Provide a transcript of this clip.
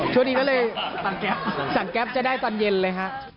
ช่วงนี้ก็เลยสั่งแก๊ปจะได้ตอนเย็นเลยฮะ